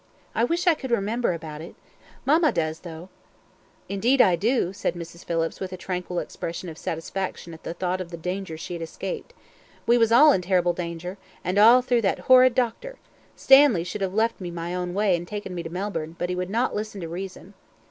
I wish I could remember about it mamma does, though." "Indeed I do," said Mrs. Phillips, with a tranquil expression of satisfaction at the thought of the danger she had escaped. "We was all in terrible danger, and all through that horrid doctor. Stanley should have let me have my own way, and taken me to Melbourne; but he would not listen to reason."